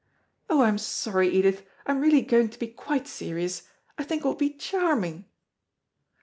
Oh, I'm sorry, Edith. I'm really going to be quite serious. I think it will be charming."